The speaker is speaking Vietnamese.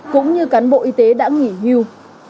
cũng như cán bộ y tế đã nghỉ hưu